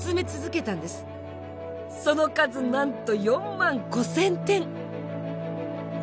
その数なんと４万５，０００点！